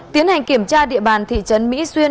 tiến hành kiểm tra địa bàn thị trấn mỹ xuyên